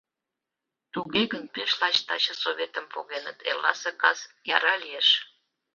— Туге гын, пеш лач таче советым погеныт, эрласе кас яра лиеш.